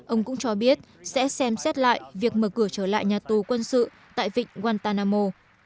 ông cũng cho biết sẽ xem xét lại việc mở cửa trở lại nhà tù quân sự tại vịnh wantanamo